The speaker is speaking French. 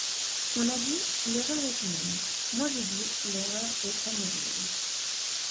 On a dit : l’erreur est humaine ; moi je dis : l’erreur est amoureuse.